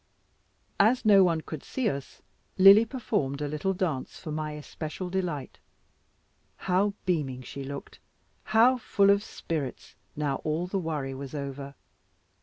As no one now could see us, Lily performed a little dance for my especial delight. How beaming she looked, how full of spirits, now all the worry was over.